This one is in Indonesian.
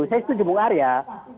saya setuju bumn